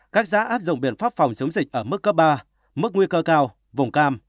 các xã áp dụng biện pháp phòng chống dịch ở mức cấp ba mức nguy cơ cao vùng cam